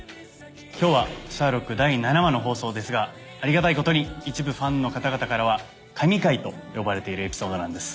今日は『シャーロック』第７話の放送ですがありがたいことに一部ファンの方々からは神回と呼ばれているエピソードなんです。